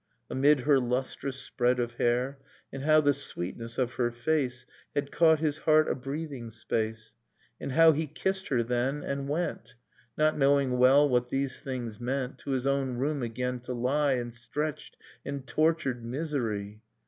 Amid her lustrous spread of hair, And how the sweetness of her face Had caught his heart a breathing space. And how he kissed her then, and went, (Not knowing well what these things meant,) To his own room again, to lie In stretched and tortured misery.